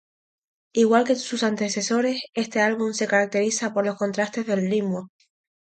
Igual que sus antecesores, este álbum se caracteriza por los contrastes de ritmo.